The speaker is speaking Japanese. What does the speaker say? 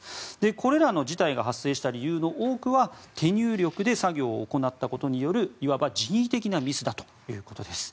これらの事態が発生した理由の多くは手入力で作業を行ったことによるいわば人為的なミスだということです。